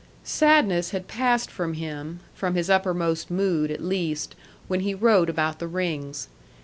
Sadness had passed from him from his uppermost mood, at least, when he wrote about the rings.